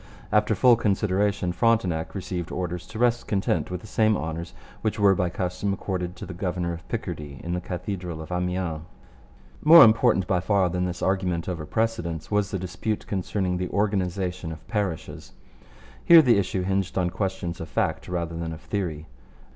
After full consideration Frontenac received orders to rest content with the same honours which were by custom accorded the governor of Picardy in the cathedral of Amiens. More important by far than this argument over precedence was the dispute concerning the organization of parishes. Here the issue hinged on questions of fact rather than of theory.